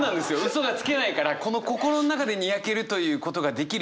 嘘がつけないからこの心の中でニヤけるということができる世之介はすごい。